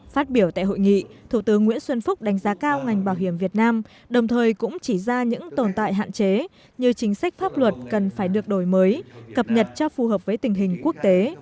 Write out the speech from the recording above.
phát biểu tại hội nghị thủ tướng nguyễn xuân phúc đánh giá cao ngành bảo hiểm việt nam đồng thời cũng chỉ ra những tồn tại hạn chế như chính sách pháp luật cần phải được đổi mới cập nhật cho phù hợp với tình hình quốc tế